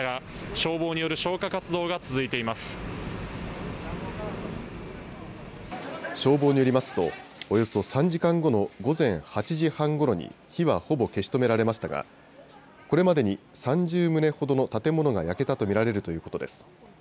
消防によりますとおよそ３時間後の午前８時半ごろに火はほぼ消し止められましたがこれまでに３０棟ほどの建物が焼けたと見られるということです。